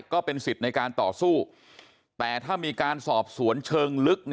ก็เป็นสิทธิ์ในการต่อสู้แต่ถ้ามีการสอบสวนเชิงลึก